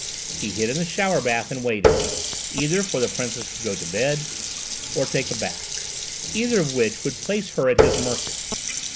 He hid in the shower bath and waited, either for the Princess to go to bed or take a bath, either of which would place her at his mercy.